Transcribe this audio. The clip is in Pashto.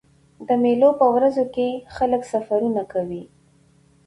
د مېلو په ورځو کښي خلک سفرونه کوي.